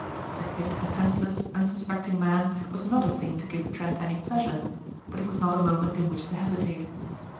To hit a defenceless, unsuspecting man was not a thing to give Trent any pleasure, but it was not a moment in which to hesitate.